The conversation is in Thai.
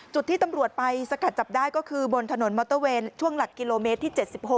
จุดที่ตำรวจไปสกัดจับได้ก็คือบนถนนมอเตอร์เวย์ช่วงหลักกิโลเมตรที่๗๖